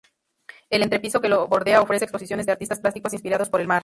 El entrepiso que lo bordea ofrece exposiciones de artistas plásticos inspirados por el mar.